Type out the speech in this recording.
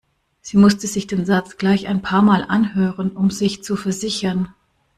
Sie musste sich den Satz gleich ein paarmal anhören, um sich zu versichern.